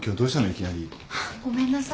いきなり。ごめんなさい。